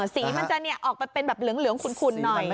สีมันจะออกไปเป็นแบบเหลืองขุ่นหน่อย